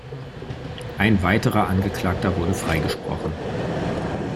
Ein weiterer Angeklagter wurde freigesprochen.